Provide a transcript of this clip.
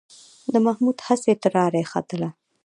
د محمود هسې ټراري ختله.